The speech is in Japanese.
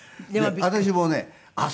私もねあっ